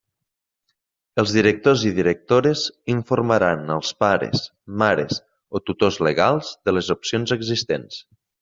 Els directors i directores informaran els pares, mares o tutors legals de les opcions existents.